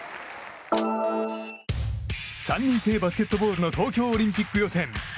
３人制バスケットボールの東京オリンピック予選。